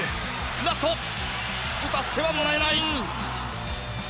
ラスト打たせてはもらえない。